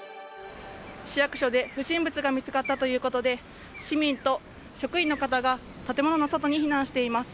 市役所で不審物が見つかったということで市民と職員の方が建物の外に避難しています。